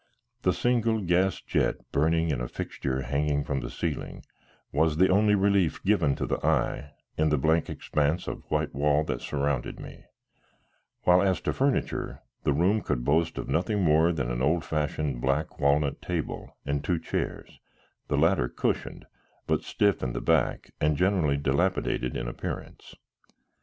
The single gas jet burning in a fixture hanging from the ceiling was the only relief given to the eye in the blank expanse of white wall that surrounded me; while as to furniture, the room could boast of nothing more than an old fashioned black walnut table and two chairs, the latter cushioned, but stiff in the back and generally dilapidated in appearance.